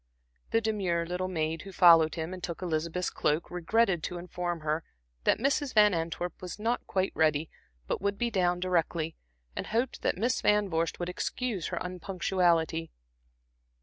The demure little maid who followed him and took Elizabeth's cloak, regretted to inform her that Mrs. Van Antwerp was not quite ready, but would be down directly, and hoped that Miss Van Vorst would excuse her unpunctuality.